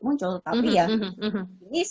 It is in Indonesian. muncul tapi ya ini